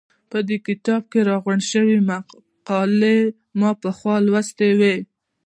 په دې کتاب کې راغونډې شوې مقالې ما پخوا لوستې وې.